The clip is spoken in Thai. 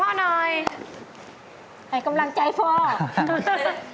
ให้กำลังใจพ่อ